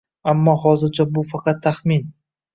Ammo hozircha bu faqat taxmin